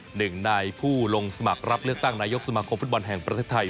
หนึ่งในผู้ลงสมัครรับเลือกตั้งนายกสมาคมฟุตบอลแห่งประเทศไทย